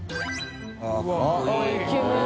イケメン。